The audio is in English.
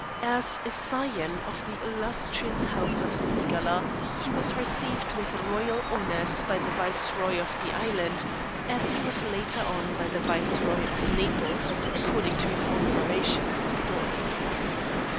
As a scion of the illustrious house of Cigala, he was received with royal honours by the Viceroy of the island, as he was later on by the Viceroy of Naples, according to his own veracious story.